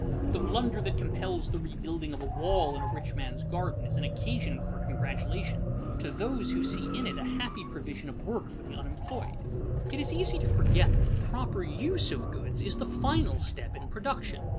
The blunder that compels the rebuilding of a wall in a rich man's garden is an occasion for congratulation to those who see in it a happy provision of work for the unemployed. It is easy to forget that the proper use of goods is the final step in production.